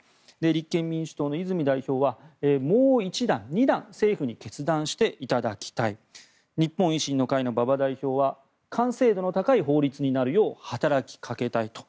立憲民主党の泉代表はもう一段、二段政府に決断していただきたい日本維新の会の馬場代表は完成度の高い法律になるよう働きかけたいと。